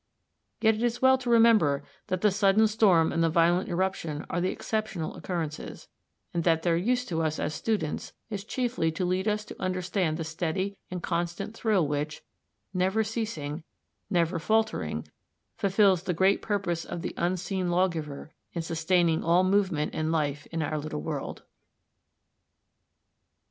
Yet it is well to remember that the sudden storm and the violent eruption are the exceptional occurrences, and that their use to us as students is chiefly to lead us to understand the steady and constant thrill which, never ceasing, never faltering, fulfils the great purpose of the unseen Lawgiver in sustaining all movement and life in our little world.